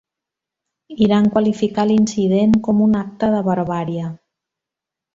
Iran qualificà l'incident com un acte de barbàrie.